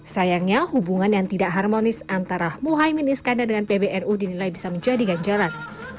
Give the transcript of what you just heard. sayangnya hubungan yang tidak harmonis antara muhaymin iskandar dengan pbnu dinilai bisa menjadi ganjaran